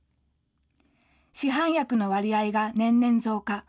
市販薬の割合が年々増加。